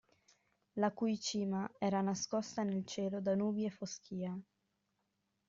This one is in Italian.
La cui cima era nascosta nel cielo da nubi e foschia.